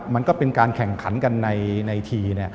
มันก็เป็นการแข่งขันกันในที